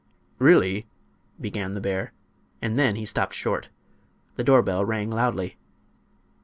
"Really—" began the bear, and then he stopped short. The door bell rang loudly.